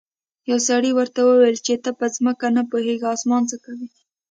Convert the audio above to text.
یو سړي ورته وویل چې ته په ځمکه نه پوهیږې اسمان څه کوې.